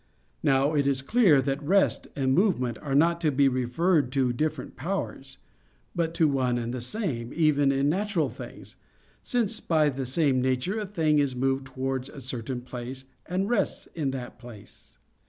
Now it is clear that rest and movement are not to be referred to different powers, but to one and the same, even in natural things: since by the same nature a thing is moved towards a certain place, and rests in that place.